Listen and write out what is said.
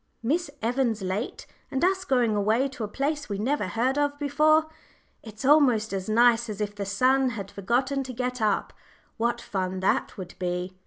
"Miss Evans late and us going away to a place we never heard of before! It's almost as nice as if the sun had forgotten to get up what fun that would be!"